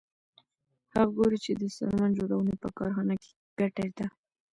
هغه ګوري چې د څرمن جوړونې په کارخانه کې ګټه ده